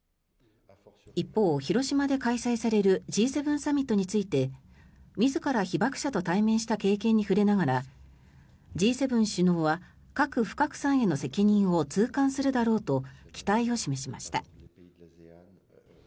一方、広島で開催されるＧ７サミットについて自ら被爆者と対面した経験に触れながらＧ７首脳は核不拡散への責任を痛感するだろうと期待を示しました。